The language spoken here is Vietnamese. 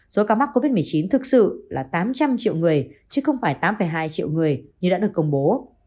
số ca mắc covid một mươi chín thực sự là tám trăm linh triệu người chứ không phải tám hai triệu người như đã được công bố